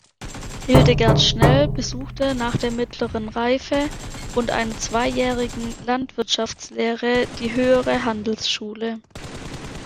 Hildegard Schnell besuchte nach der Mittlere Reife und einer zweijährigen Landwirtschaftslehre die Höhere Handelsschule.